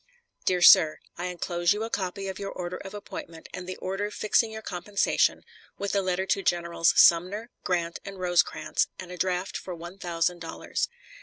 DEAR SIR: I inclose you a copy of your order of appointment and the order fixing your compensation, with a letter to Generals Sumner,[B] Grant, and Rosecrans, and a draft for one thousand dollars.